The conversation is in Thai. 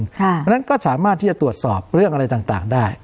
เพราะฉะนั้นก็สามารถที่จะตรวจสอบเรื่องอะไรต่างได้